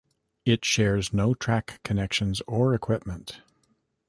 It shares no track connections or equipment.